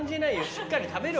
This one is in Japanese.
しっかり食べろよ。